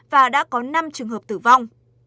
và đã có năm trường hợp tử vong